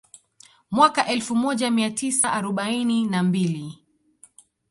Mwaka elfu moja mia tisa arobaini na mbili